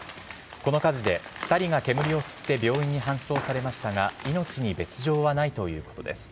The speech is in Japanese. この火事で２人が煙を吸って病院に搬送されましたが、命に別状はないということです。